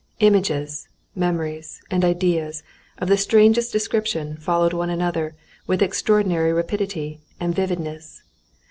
Images, memories, and ideas of the strangest description followed one another with extraordinary rapidity and vividness.